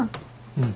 うん。